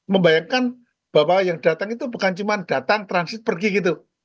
membayangkan bahwa yang datang itu bukan cuma datang transit pergi gitu